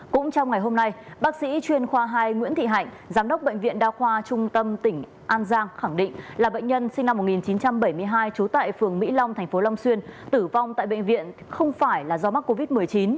cũng trong ngày hôm nay bác sĩ chuyên khoa hai nguyễn thị hạnh giám đốc bệnh viện đa khoa trung tâm tỉnh an giang khẳng định là bệnh nhân sinh năm một nghìn chín trăm bảy mươi hai trú tại phường mỹ long tp long xuyên tử vong tại bệnh viện không phải là do mắc covid một mươi chín